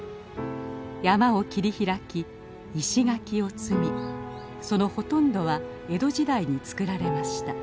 山を切り開き石垣を積みそのほとんどは江戸時代につくられました。